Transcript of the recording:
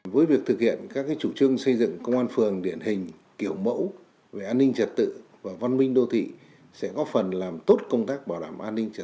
bước đầu đã tới mục tiêu xây dựng xã hội trật tự kỳ cương an ninh an toàn lành mạnh